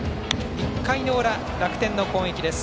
１回の裏、楽天の攻撃です。